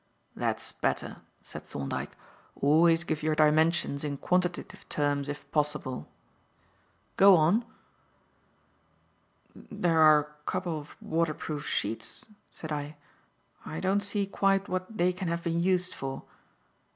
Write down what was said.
"That's better," said Thorndyke. "Always give your dimensions in quantitative terms if possible. Go on." "There are a couple of waterproof sheets," said I. "I don't see quite what they can have been used for."